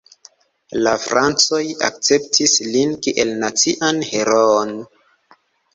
La francoj akceptis lin kiel nacian heroon.